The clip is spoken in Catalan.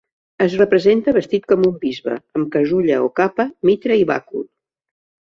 Es representa vestit com un bisbe, amb casulla o capa, mitra i bàcul.